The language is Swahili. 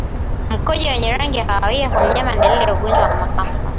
Mkojo wenye rangi ya kahawia kwa mnyama ni dalili ya ugonjwa wa mapafu